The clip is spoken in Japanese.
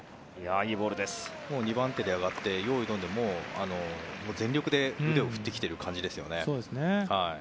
２番手で上がってよーいドンで全力で腕を振ってきている感じですよね。